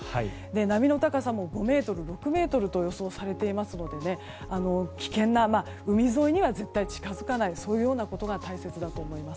波の高さも５ｍ、６ｍと予想されていますので危険な海沿いには絶対に近づかないことが大切だと思います。